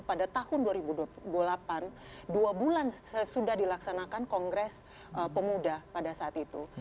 pada tahun dua ribu delapan dua bulan sudah dilaksanakan kongres pemuda pada saat itu